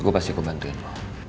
gue pasti kebantuin lo